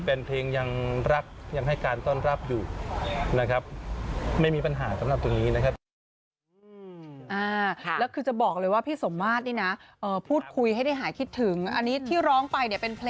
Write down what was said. เป็นเพลงยังรักยังให้การต้อนรับอยู่นะครับ